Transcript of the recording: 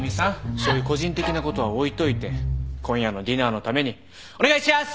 そういう個人的なことは置いといて今夜のディナーのためにお願いしやす！